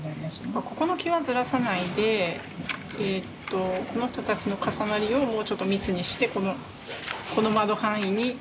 ここの際はずらさないでこの人たちの重なりをもうちょっと密にしてこの窓範囲に収める。